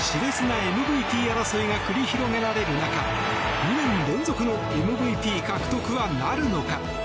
熾烈なＭＶＰ争いが繰り広げられる中２年連続のＭＶＰ獲得はなるのか？